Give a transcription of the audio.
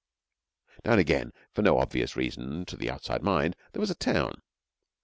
Now and again, for no obvious reason to the outside mind, there was a town.